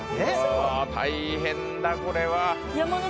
うわ大変だこれは。